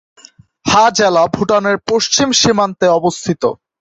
হা জেলা ভুটানের পশ্চিম সীমান্তে অবস্থিত।